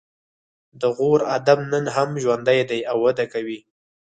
د غور ادب نن هم ژوندی دی او وده کوي